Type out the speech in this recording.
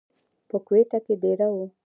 پۀ کوئټه کښې دېره وو،